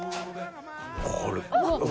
これ。